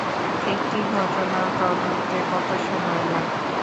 একটি ঘটনা তদন্তে কত সময় লাগে?